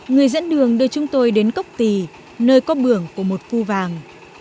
người dẫn đường đưa chúng tôi đến cốc tì nơi có bưởng của một phu vàng